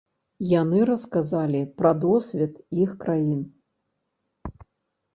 Яны расказалі пра досвед іх краін.